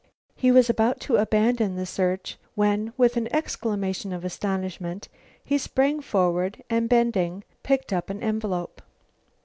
He was about to abandon the search when, with an exclamation of astonishment, he sprang forward, and bending, picked up an envelope.